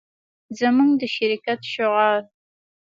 زموږ د شرکت شعار